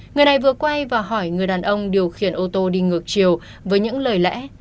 người này vừa quay và hỏi người đàn ông điều khiển ô tô đi ngược chiều với những lời lẽ